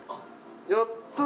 やった！